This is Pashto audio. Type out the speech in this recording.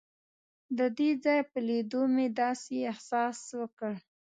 د دې ځای په لیدو مې داسې احساس وکړ.